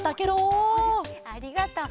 ありがとう。